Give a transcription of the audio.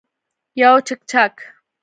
یو چکچک